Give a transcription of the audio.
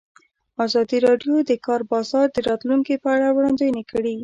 ازادي راډیو د د کار بازار د راتلونکې په اړه وړاندوینې کړې.